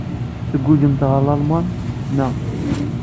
Tguǧǧemt ɣer Lalman, naɣ?